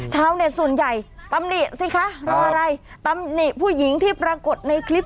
เช้าเน็ตส่วนใหญ่ตำนี่สิคะเพราะอะไรตำนี่ผู้หญิงที่ปรากฏในคลิป